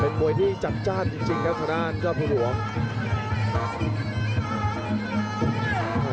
เป็นบ่วยที่จำจ้านจริงครับศน่าท่านเจ้าภูรวงศ์